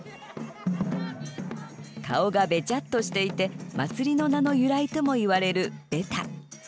顔がベチャッとしていて祭りの名の由来ともいわれるベタ。